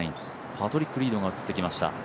パトリック・リードが映ってきました。